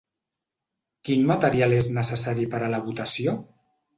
Quin material és necessari per a la votació?